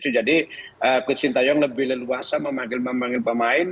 jadi kocintayong lebih leluasa memanggil memanggil pemain